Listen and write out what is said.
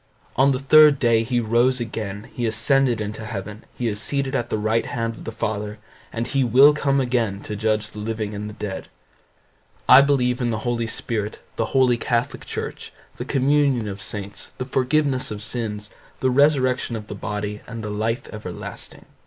On the third day he rose again; he ascended into heaven, he is seated at the right hand of the Father, and he will come again to judge the living and the dead. I believe in the Holy Spirit, the holy catholic church, the communion of saints, the forgiveness of sins, the resurrection of the body, and the life everlasting.